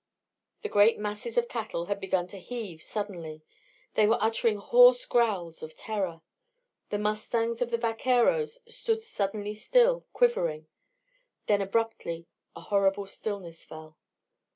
The great masses of cattle had begun to heave suddenly. They were uttering hoarse growls of terror. The mustangs of the vaqueros stood suddenly still, quivering. Then, abruptly, a horrible stillness fell.